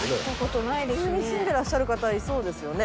普通に住んでらっしゃる方いそうですよね。